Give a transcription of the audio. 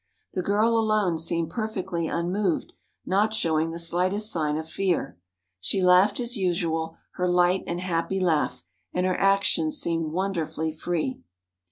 The girl alone seemed perfectly unmoved, not showing the slightest sign of fear. She laughed as usual, her light and happy laugh, and her actions seemed wonderfully free.